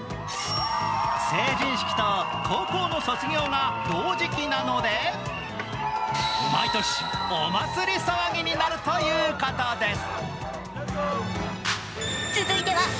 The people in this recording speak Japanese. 成人式と高校の卒業が同時期なので毎年、お祭り騒ぎになるということです。